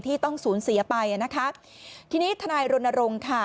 ต้องสูญเสียไปอ่ะนะคะทีนี้ทนายรณรงค์ค่ะ